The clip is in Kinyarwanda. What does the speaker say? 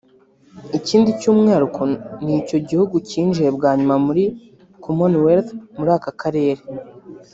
Ikindi cy’umwihariko ni cyo gihugu cyinjiye bwa nyuma muri Commonwealth muri aka Karere